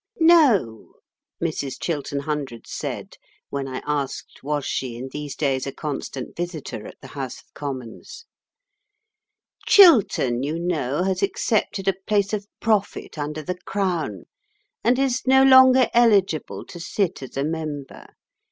"No," Mrs. Chiltern Hundreds said when I asked, Was she in these days a constant visitor at the House of Commons? "Chiltern, you know, has accepted a place of profit under the Crown, and is no longer eligible to sit as a member.